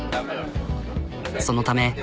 そのため。